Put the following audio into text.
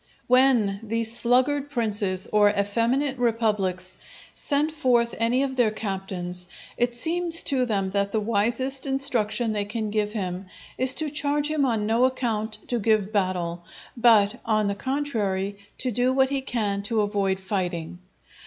When these sluggard princes or effeminate republics send forth any of their Captains, it seems to them that the wisest instruction they can give him is to charge him on no account to give battle, but, on the contrary, to do what he can to avoid fighting.